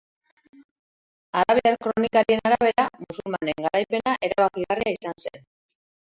Arabiar kronikarien arabera, musulmanen garaipena erabakigarria izan zen.